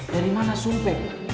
dari mana sumpah